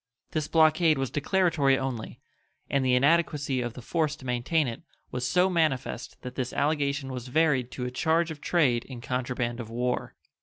This blockade was declaratory only, and the inadequacy of the force to maintain it was so manifest that this allegation was varied to a charge of trade in contraband of war.